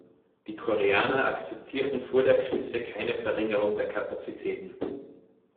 Die Koreaner akzeptierten vor der Krise keine Verringerung der Kapazitäten.